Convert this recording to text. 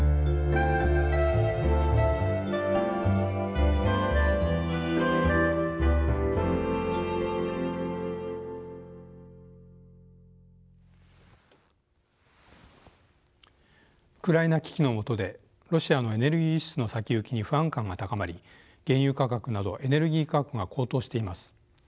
ウクライナ危機の下でロシアのエネルギー輸出の先行きに不安感が高まり原油価格などエネルギー価格が高騰しています。